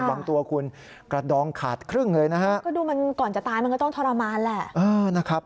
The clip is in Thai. บางตัวคุณกระดองขาดครึ่งเลยนะฮะก็ดูมันก่อนจะตายมันก็ต้องทรมานแหละนะครับ